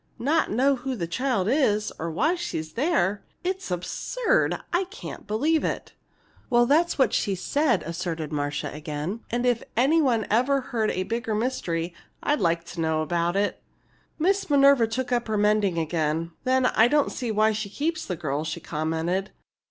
Not know who the child is or why she's there! It's absurd! I can't believe it!" "Well, that's what she said!" asserted Marcia, again. "And if any one ever heard of a bigger mystery, I'd like to know about it!" Miss Minerva took up her mending again. "Then I don't see why she keeps the girl," she commented.